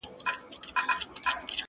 هم په رنگ هم په اخلاق وو داسي ښکلی.!